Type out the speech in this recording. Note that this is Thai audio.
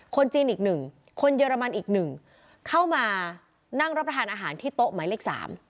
คนจีนอีก๑คนเยอรมันอีกหนึ่งเข้ามานั่งรับประทานอาหารที่โต๊ะหมายเลข๓